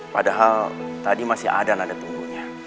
padahal tadi masih ada nada tunggunya